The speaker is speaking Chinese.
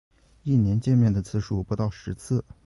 一年见面的次数不到十次